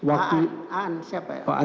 aan siapa ya